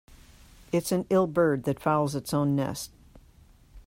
It's an ill bird that fouls its own nest.